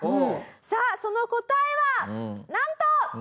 さあその答えはなんと！